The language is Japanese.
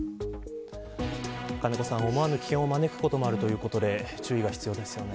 金子さん、思わぬ危険を招くこともあるということで注意が必要ですよね。